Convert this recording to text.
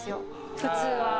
普通は。